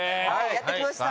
やって来ました。